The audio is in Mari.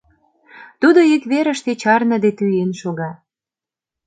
Тудо ик верыште чарныде тӱен шога.